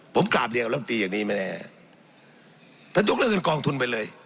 ผมกราบเรียกกับลำตรีอย่างนี้ไหมนะครับท่านยกเรื่องการกองทุนไปเลย